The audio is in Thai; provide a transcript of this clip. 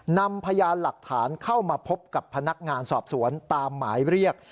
นำพยานหลักฐานเข้ามาพบกับพนักงานสอบสวนตามหมายเรียก